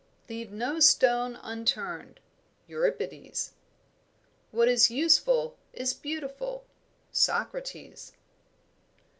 "Leave no stone unturned." EURIPIDES. "What is useful is beautiful." SOCRATES.